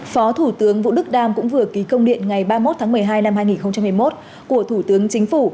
phó thủ tướng vũ đức đam cũng vừa ký công điện ngày ba mươi một tháng một mươi hai năm hai nghìn hai mươi một của thủ tướng chính phủ